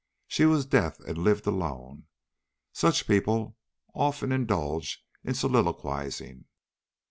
She was deaf and lived alone. Such people often indulge in soliloquizing."